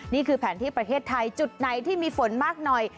นี่คือแผนที่ประเทศไทยจุดไหนที่มีฝนมากหน่อย